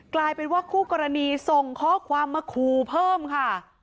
กลายเป็นว่าคู่กรณีส่งข้อความมาขู่เพิ่มค่ะ